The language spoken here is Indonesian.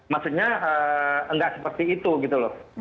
maksudnya nggak seperti itu gitu loh